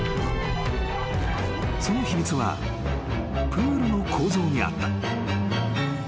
［その秘密はプールの構造にあった］